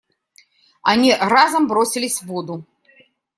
И они разом бросились в воду.